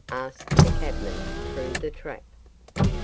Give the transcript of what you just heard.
asked the cabman, through the trap.